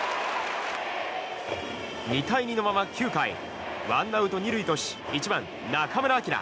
２対２のまま９回ワンアウト２塁とし１番、中村晃。